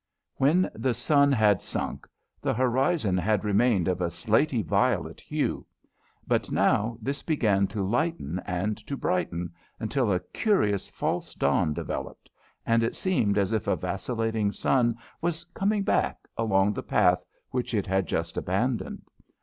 When the sun had sunk, the horizon had remained of a slaty violet hue. But now this began to lighten and to brighten until a curious false dawn developed, and it seemed as if a vacillating sun was coming back along the path which it had just abandoned.